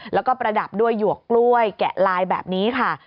แล้วก็ประดับด้วยหยวกกล้วยแกะลายแบบนี้ค่ะ